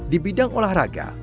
di bidang olahraga